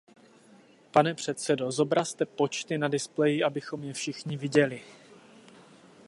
Pane předsedo, zobrazte počty na displeji, abychom je viděli všichni.